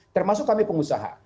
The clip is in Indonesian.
termasuk kami pengusaha